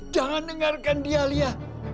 jangan dengarkan dia lia